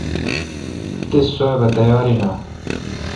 تس سواب تیار این اؘ۔